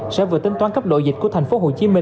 sở vừa tính toán cấp độ dịch của tp hcm